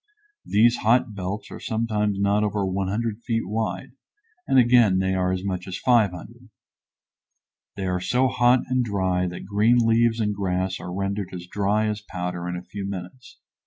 These hot belts are sometimes not over 100 feet wide, and again they are as much as 500. They are so hot and dry that green leaves and grass are rendered as dry as powder in a few minutes.